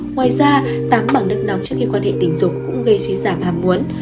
ngoài ra tắm bằng nước nóng trước khi quan hệ tình dục cũng gây suy giảm hàm muốn